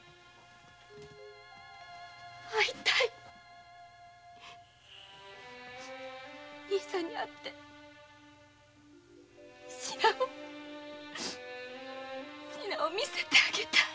会いたい兄さんに会っておしなを見せてあげたい。